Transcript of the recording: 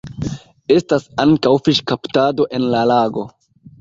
Estas ankaŭ fiŝkaptado en la lago.